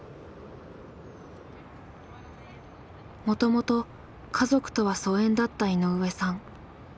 もともと家族とは疎遠だった井上さん。